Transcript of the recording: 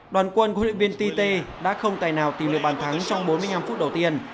đoàn quân của huyện viên tite đã không tài nào tìm được bàn thắng trong bốn mươi năm phút đầu tiên